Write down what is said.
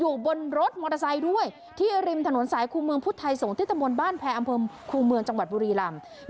อยู่บนรถมอเตอร์ไซค์ด้วยที่ริมถนนสายครูเมืองพุทธไทยสงฆ์ที่ตะมนต์บ้านแพรอำเภอครูเมืองจังหวัดบุรีรำ